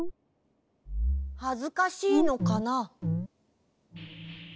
はずかしいのかな？